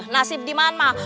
nasib diman mah